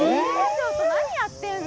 ちょっと何やってんの？